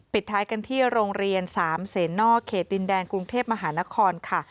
ท้ายกันที่โรงเรียนสามเศษนอกเขตดินแดงกรุงเทพมหานครค่ะ